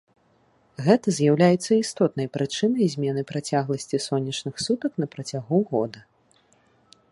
Гэта з'яўляецца істотнай прычынай змены працягласці сонечных сутак на працягу года.